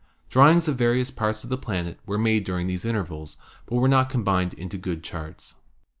Drawings of various parts of the planet were made during these intervals, but were not combined into good charts.